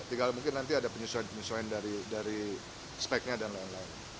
tinggal mungkin nanti ada penyesuaian penyesuaian dari speknya dan lain lain